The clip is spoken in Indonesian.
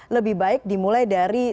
lebih baik dimulai dari